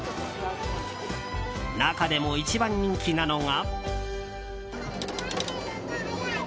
中でも一番人気なのが。